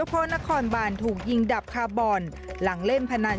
สุดท้ายสุดท้ายสุดท้าย